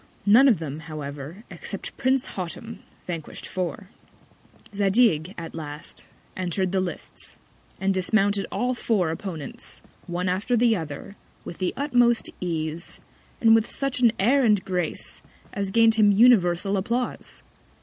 None of them, however, except Prince Hottam, vanquish'd four. Zadig, at last, enter'd the Lists, and dismounted all his four Opponents, one after the other, with the utmost Ease, and with such an Air and Grace, as gain'd him universal Applause.